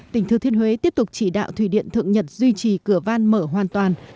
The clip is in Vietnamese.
tỉnh thừa thiên huế tiếp tục chỉ đạo thủy điện thượng nhật duy trì cửa van mở hoàn toàn